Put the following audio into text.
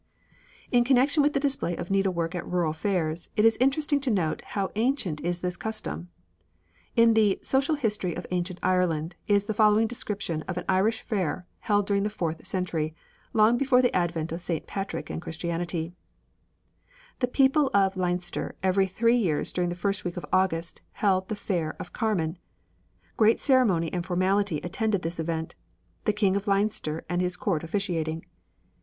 In connection with the display of needlework at rural fairs, it is interesting to note how ancient is this custom. In the "Social History of Ancient Ireland" is the following description of an Irish fair held during the fourth century long before the advent of St. Patrick and Christianity: "The people of Leinster every three years during the first week of August held the 'Fair of Carman.' Great ceremony and formality attended this event, the King of Leinster and his court officiating.